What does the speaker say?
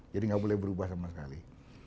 jadi nggak boleh berubah sama sekali